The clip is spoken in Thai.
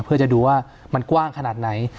เพื่อจะดูว่ามันกว้างขนาดไหน